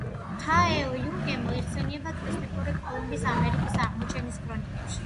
მთა ელ-იუნკე მოიხსენიება ქრისტეფორე კოლუმბის ამერიკის აღმოჩენის ქრონიკებში.